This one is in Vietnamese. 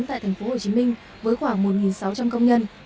tại tp hcm với khoảng một sáu trăm linh công nhân